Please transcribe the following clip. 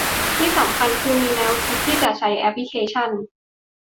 ที่สำคัญคือมีแนวคิดที่จะใช้แอพลิเคชัน